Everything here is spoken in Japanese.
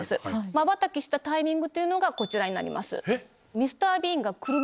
またばきしたタイミングがこちらになります。